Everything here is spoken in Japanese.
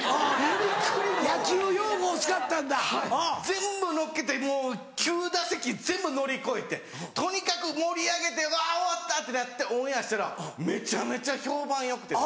全部乗っけてもう９打席全部乗り越えてとにかく盛り上げて「うわ終わった」ってなってオンエアしたらめちゃめちゃ評判よくて。